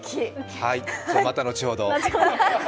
はい、また後ほど。